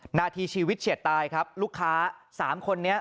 หน้าที่ชีวิตเฉียดตายครับลูกค้าสามคนนี้